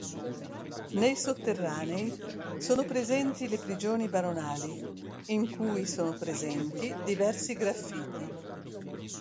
Nei sotterranei sono presenti le prigioni baronali, in cui sono presenti diversi graffiti.